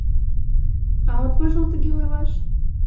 — А от вожыл тыге ойлаш?..